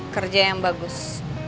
kerja yang bagus